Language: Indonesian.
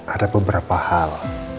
ada beberapa hal